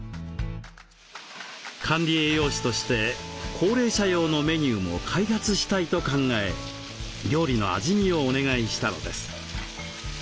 管理栄養士として高齢者用のメニューも開発したいと考え料理の味見をお願いしたのです。